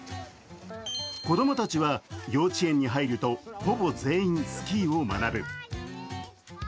子供たちは幼稚園に入るとほぼ全員、スキーを学ぶ。